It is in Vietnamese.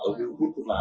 ông hút thuốc là